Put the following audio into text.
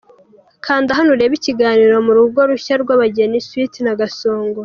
Kanda hano urebe ikiganiro mu rugo rushya rw’abageni Sweety na Gasongo.